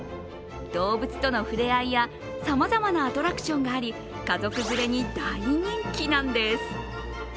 動物とのふれあいやさまざまなアトラクションがあり、家族連れに大人気なんです。